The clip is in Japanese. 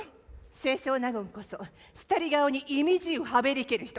「清少納言こそしたり顔にいみじうはべりける人」。